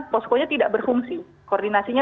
posko nya tidak berfungsi koordinasinya